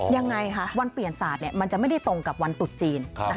วันเปลี่ยนศาสตร์เนี่ยมันจะไม่ได้ตรงกับวันตุษจีน